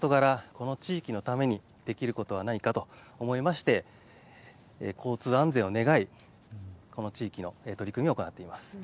この地域のためにできることはないかと思って交通安全を願い、この地域の取り組みを行っています。